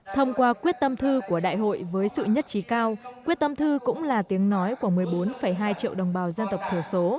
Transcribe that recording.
thông qua quyết tâm thư của đại hội với sự nhất trí cao quyết tâm thư cũng là tiếng nói của một mươi bốn hai triệu đồng bào dân tộc thiểu số